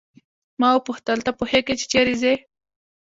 ما وپوښتل ته پوهیږې چې چیرې ځې.